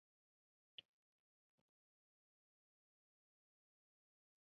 巴尔纳维尔卡尔特雷。